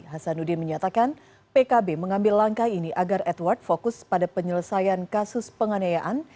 hasanuddin menyatakan pkb mengambil langkah ini agar edward fokus pada penyelesaian kasus penganiayaan